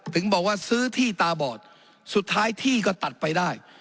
ถึงบอกว่าซื้อที่ตาบอดสุดท้ายที่ก็ตัดไปได้